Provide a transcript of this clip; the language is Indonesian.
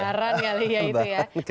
lebaran kali ya itu ya